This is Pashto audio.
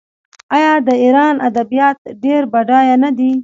آیا د ایران ادبیات ډیر بډایه نه دي؟